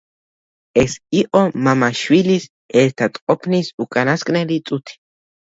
ეს იყო მამა-შვილის ერთად ყოფნის უკანასკნელი წუთი.